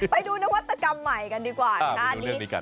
ไปดูนวัตกรรมใหม่กันดีกว่านะคะ